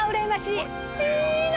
いいな。